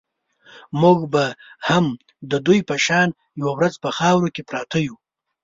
موږ به هم د دوی په شان یوه ورځ په خاورو کې پراته یو.